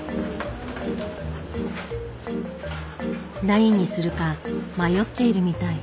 何にするか迷っているみたい。